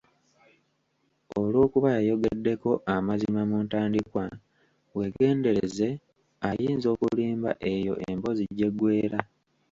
Olwokuba yayogeddeko amazima mu ntandikwa; weegendereze ayinza okulimba eyo emboozi gy’eggweera.